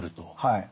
はい。